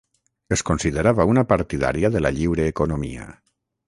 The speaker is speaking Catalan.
Es considerava una partidària de la lliure economia.